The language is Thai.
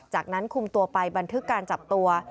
จากนั้นคุมตัวไปบันทึกการจับตัว